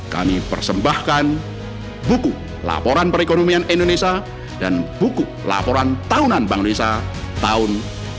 kami persembahkan buku laporan perekonomian indonesia dan buku laporan tahunan bank indonesia tahun dua ribu dua puluh